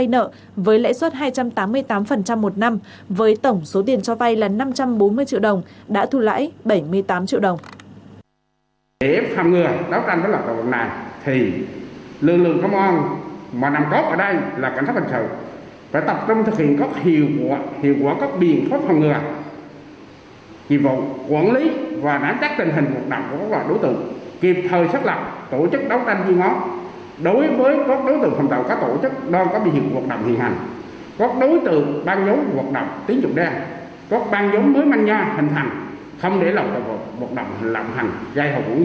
nợ với lãi suất hai trăm tám mươi tám một năm với tổng số tiền cho vay là năm trăm bốn mươi triệu đồng đã thu lãi bảy mươi tám triệu đồng